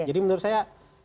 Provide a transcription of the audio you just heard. jadi menurut saya